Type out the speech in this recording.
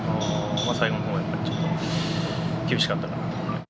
最後のほうはやっぱりちょっと、厳しかったかなと。